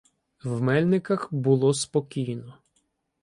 В Мельниках було спокійно.